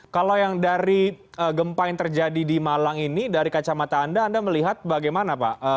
kalau yang dari gempa yang terjadi di malang ini dari kacamata anda anda melihat bagaimana pak